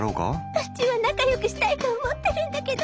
うちは仲よくしたいと思ってるんだけど。